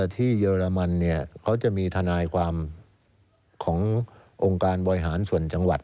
เยอรมันเขาจะมีทนายความขององค์การบริหารส่วนจังหวัด